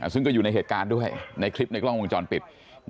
ซึ่งก็อยู่ในเหตุการณ์ด้วยในคลิปในกล้องวงจรปิด